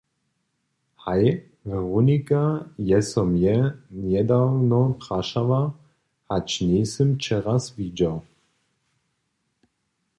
Haj, Weronika je so mje njedawno prašała, hač njejsym će raz widźał.